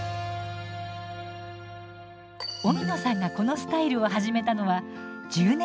荻野さんがこのスタイルを始めたのは１０年前。